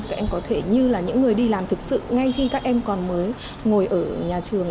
các em có thể như là những người đi làm thực sự ngay khi các em còn mới ngồi ở nhà trường